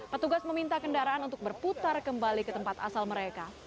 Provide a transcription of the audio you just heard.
petugas meminta kendaraan untuk berputar kembali ke tempat asal mereka